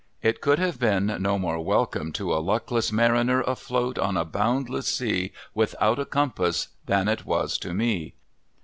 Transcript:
It could have been no more welcome to a luckless mariner afloat on a boundless sea without a compass than it was to me.